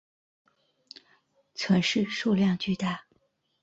存世数量巨大。